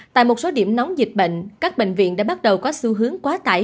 tại một số điểm nóng dịch bệnh các bệnh viện đã bắt đầu có xu hướng quá tải